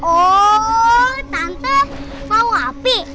oh tante mau api